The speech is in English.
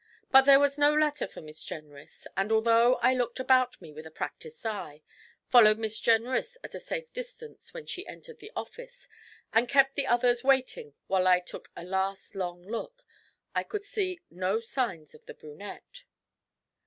But there was no letter for Miss Jenrys; and, although I looked about me with a practised eye, followed Miss Jenrys at a safe distance when she entered the office, and kept the others waiting while I took a last long look, I could see no signs of the brunette.